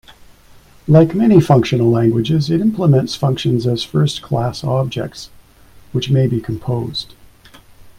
Like many functional languages, it implements functions as first-class objects, which may be composed.